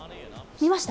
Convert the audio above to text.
見ました？